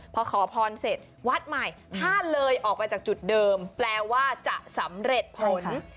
พอขอพรเสร็จวัดใหม่ถ้าเลยออกไปจากจุดเดิมแปลว่าจะสำเร็จผล